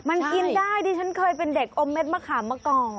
มันกินได้ดิฉันเคยเป็นเด็กอมเด็ดมะขามมาก่อน